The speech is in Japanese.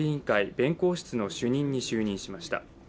弁公室の主任に就任しました。